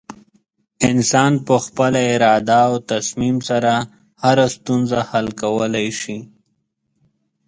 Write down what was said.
انسان په خپله اراده او تصمیم سره هره ستونزه حل کولی شي.